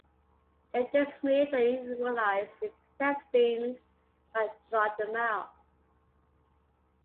Then they smooth and equalize the intestines by drawing them out.